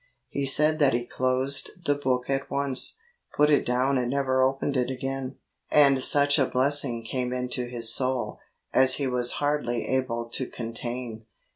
He said that he closed the book at once, put it down and never opened it again, and such a blessing came into his soul as he was hardly able to contain.